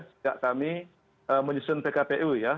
sejak kami menyusun pkpu ya